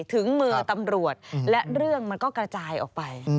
ถึงมือตำรวจและเรื่องมันก็กระจายออกไป